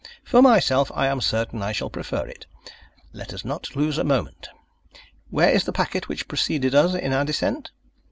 For myself, I am certain I shall prefer it. Let us not lose a moment. Where is the packet which preceded us in our descent?"